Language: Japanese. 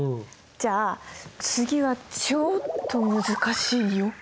じゃあ次はちょっと難しいよ。